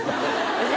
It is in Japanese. えっ？